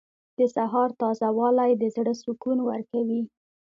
• د سهار تازه والی د زړه سکون ورکوي.